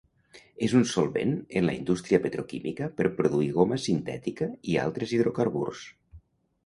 És un solvent en la indústria petroquímica per produir goma sintètica i altres hidrocarburs.